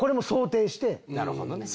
なるほどね。